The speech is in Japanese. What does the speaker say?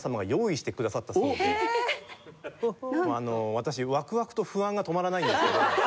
私ワクワクと不安が止まらないんですけど。